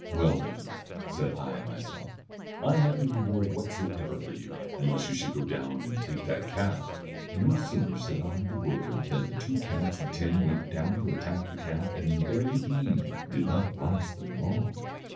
'Well then,' said I myself, 'I have no reward whatsoever for you, unless you should go down and take that calf.' No sooner said I the word than the two cats and ten went down to attack the calf, and in very deed, he did not last them long.